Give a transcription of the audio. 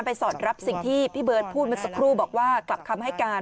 สอดรับสิ่งที่พี่เบิร์ตพูดเมื่อสักครู่บอกว่ากลับคำให้การ